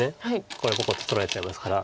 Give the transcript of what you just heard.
これポコッと取られちゃいますから。